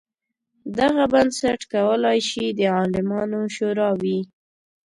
دغه بنسټ کولای شي د عالمانو شورا وي.